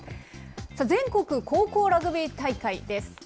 全国高校ラグビー大会です。